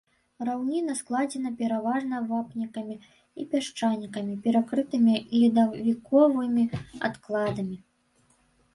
Раўніна складзена пераважна вапнякамі і пясчанікамі, перакрытымі ледавіковымі адкладамі.